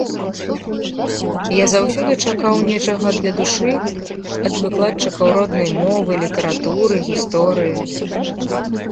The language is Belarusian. Я заўсёды чакаў нечага для душы ад выкладчыкаў роднай мовы, літаратуры, гісторыі.